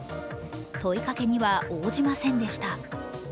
問いかけには応じませんでした。